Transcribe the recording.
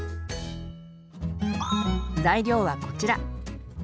材料はこちら。